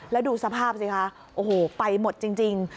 แล้วดูสภาพสิคะโอ้โหไปหมดจริง